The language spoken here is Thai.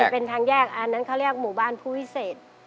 เป็นทางแยกอันนั้นเขาเรียกหมู่บ้านผู้วิเศษ